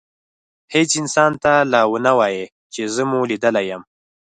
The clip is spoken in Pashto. هیڅ انسان ته لا ونه وایئ چي زه مو لیدلی یم.